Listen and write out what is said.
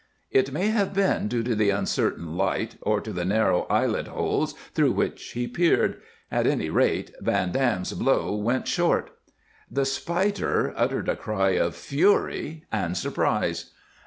It may have been due to the uncertain light, or to the narrow eyelet holes through which he peered; at any rate, Van Dam's blow went short. The Spider uttered a cry of fury and surprise.